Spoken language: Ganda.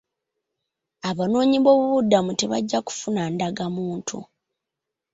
Abanoonyiboobubuddamu tebajja kufuna ndagamuntu.